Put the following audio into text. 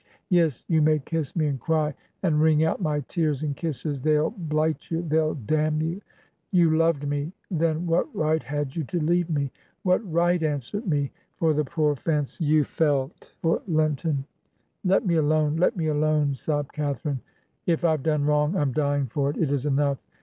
Yes, you may kiss me and cry ; and wring out my tears and kisses: they'll bUght you, they'll damn you. You loved me — ^then what right had you to leave me? What right — answer me — for the poor fancy you felt for Linton?' ... 'Let me alone. Let me alone,' sobbed Catharine. ' If I've done wrong, I'm dying for it. It is enough.